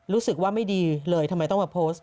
รู้สึกว่าไม่ดีเลยทำไมต้องมาโพสต์